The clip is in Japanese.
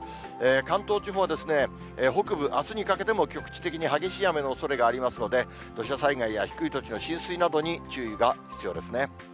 関東地方は北部、あすにかけても局地的に激しい雨のおそれがありますので、土砂災害や低い土地の浸水などに注意が必要ですね。